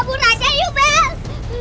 kabur aja yuk bel